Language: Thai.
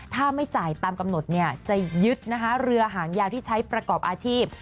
ถ้าไม่จ่ายตามกำหนดจะยึดนะคะเรือหางยาวที่ใช้ประกอบอาชีพ